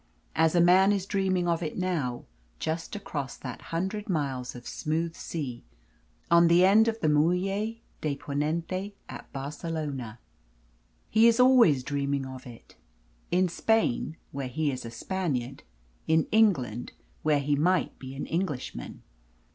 As a man is dreaming of it now, just across that hundred miles of smooth sea, on the end of the Muelle de Ponente at Barcelona. He is always dreaming of it in Spain, where he is a Spaniard in England, where he might be an Englishman.